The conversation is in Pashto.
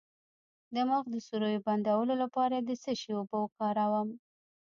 د مخ د سوریو د بندولو لپاره د څه شي اوبه وکاروم؟